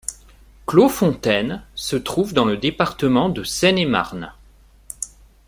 Clos-Fontaine se trouve dans le département de Seine-et-Marne.